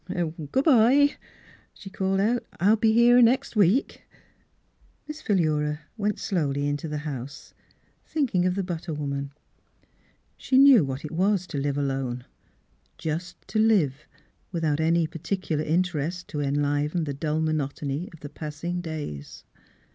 " Good bye !" she called out. " I'll be here next week." IVliss Philura went slowly into the Miss Philura's Wedding Gown house, thinking of the butter woman. She knew what it was to live alone — just to live, without any particular inter est to enliven the dull monotony of the passing days.